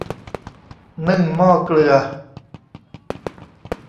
นึ่งหม้อเกลือ